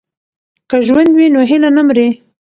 که ژوند وي نو هیله نه مري.